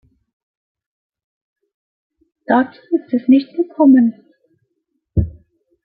Dazu ist es nicht gekommen.